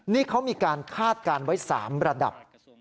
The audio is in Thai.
นี่เขามีการคาดการณ์ไว้๓ระดับ